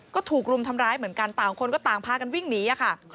ก็ถูกรุมทำร้ายเหมือนกันต่างคนก็ต่างพากันวิ่งหนีค่ะ